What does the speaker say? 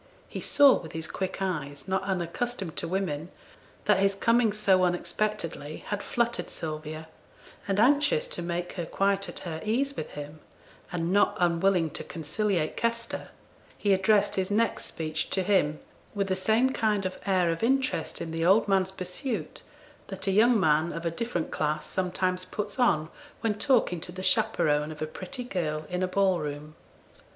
He saw with his quick eyes, not unaccustomed to women, that his coming so unexpectedly had fluttered Sylvia, and anxious to make her quite at her ease with him, and not unwilling to conciliate Kester, he addressed his next speech to him, with the same kind of air of interest in the old man's pursuit that a young man of a different class sometimes puts on when talking to the chaperone of a pretty girl in a ball room.